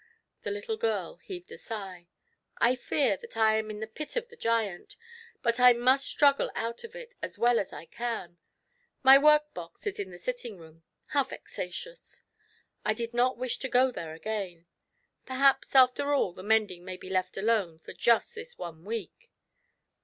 The little girl heaved a sigh. "I fear that I am in the pit of the giant, but I must struggle out of it as well as I can; my work box is in the sitting room, how vexatious ! I did not wish to go there again. Perhaps, after all, the mending may be left alone for just this one week."